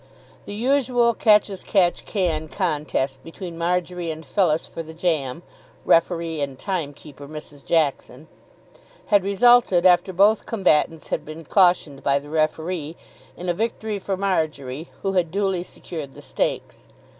The usual catch as catch can contest between Marjory and Phyllis for the jam (referee and time keeper, Mrs. Jackson) had resulted, after both combatants had been cautioned by the referee, in a victory for Marjory, who had duly secured the stakes.